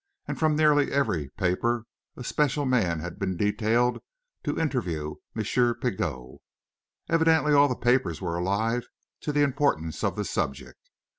And from nearly every paper a special man had been detailed to interview M. Pigot. Evidently all the papers were alive to the importance of the subject.